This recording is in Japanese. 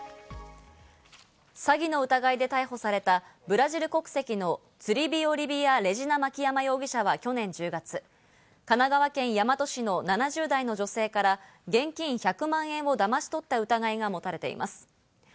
詐欺の疑いで逮捕されたブラジル国籍のツリビオ・リビア・レジナ・マキヤマ容疑者は去年１０月、神奈川県大和市の７０代の女性から、現金１００万円をだまし取った疑いが持たれています。